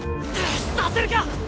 させるか！